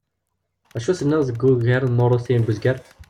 Acu tenniḍ deg wugar n uṛuti n uzger?